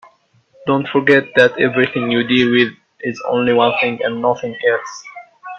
Don't forget that everything you deal with is only one thing and nothing else.